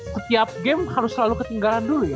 setiap game harus selalu ketinggalan dulu ya